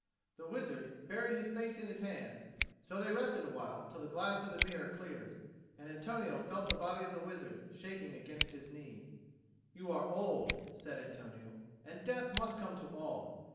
The wizard buried his face in his hands; and so they rested awhile till the glass of the mirror cleared; and Antonio felt the body of the wizard shaking against his knee. "You are old," said Antonio, "and death must come to all.